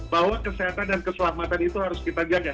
bahwa kesehatan dan keselamatan itu harus kita jaga